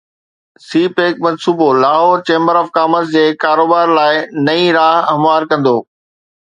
سي pack منصوبو Lahore chamber of commerce جي ڪاروبار لاءِ نئين راهه هموار ڪندو